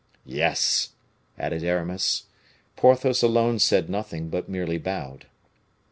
"Yes," added Aramis. Porthos alone said nothing, but merely bowed.